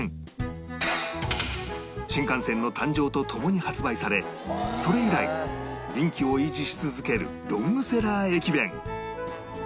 新幹線の誕生とともに発売されそれ以来人気を維持し続けるロングセラー駅弁